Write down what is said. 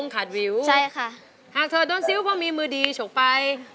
แบบหากเธอโทนเซียวเขามีมือดีชกไป